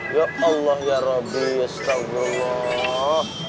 ya allah ya rabbi ya astagfirullah